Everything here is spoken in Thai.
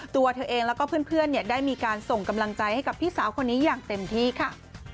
ตัวเธอเองแล้วก็เพื่อนได้มีการส่งกำลังใจให้กับพี่สาวคนนี้อย่างเต็มที่ค่ะ